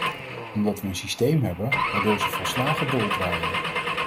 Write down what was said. Omdat we een systeem hebben waardoor ze volslagen doldraaien.